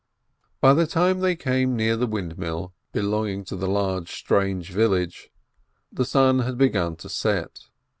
By the time they came near the windmill belonging to the large strange village, the sun had begun to set.